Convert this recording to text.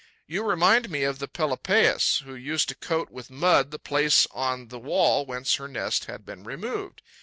You remind me of the Pelopaeus, who used to coat with mud the place on the wall whence her nest had been removed.